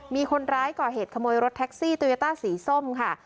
มีคนร้ายก่อเหตุขโมยรถแท็กซี่โตโยต้าสีส้มค่ะ